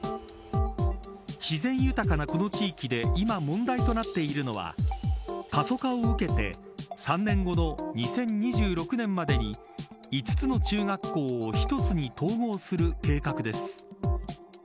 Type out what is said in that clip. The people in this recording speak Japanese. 自然豊かなこの地域で今、問題となっているのが過疎化を受けて３年後の２０２６年までに５つの中学校を１つに統合する計画です。